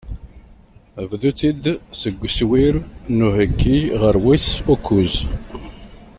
Bdu-tt-id seg uswir n uheyyi ɣer wis ukuẓ.